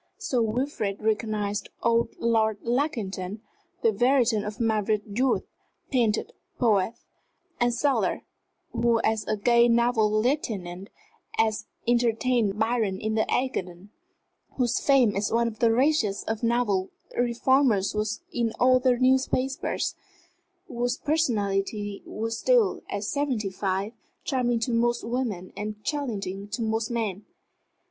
Sir Wilfrid recognized old Lord Lackington, the veteran of marvellous youth, painter, poet, and sailor, who as a gay naval lieutenant had entertained Byron in the Ægean; whose fame as one of the raciest of naval reformers was in all the newspapers; whose personality was still, at seventy five, charming to most women and challenging to most men.